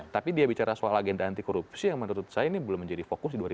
tapi dia bicara soal agenda anti korupsi yang menurut saya ini belum menjadi fokus di dua ribu dua puluh